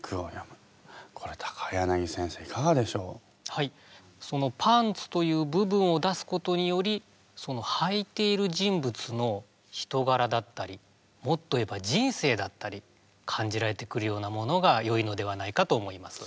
はいそのパンツという部分を出すことによりそのはいている人物の人柄だったりもっと言えば人生だったり感じられてくるようなものがよいのではないかと思います。